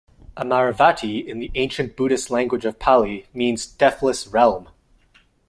"Amaravati" in the ancient Buddhist language of Pali means "deathless realm.